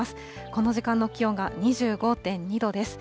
この時間の気温が２５．２度です。